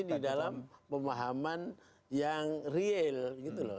di dalam pemahaman yang real gitu loh